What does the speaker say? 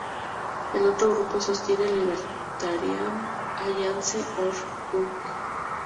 El otro grupo sostiene Libertarian-Alliance.Org.Uk.